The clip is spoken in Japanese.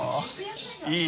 いい！